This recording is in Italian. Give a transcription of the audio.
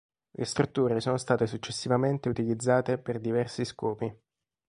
Le strutture sono state successivamente utilizzate per diversi scopi.